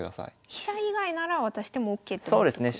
飛車以外なら渡してもＯＫって覚えとくといいですね。